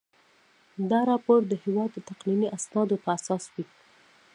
دا راپور د هیواد د تقنیني اسنادو په اساس وي.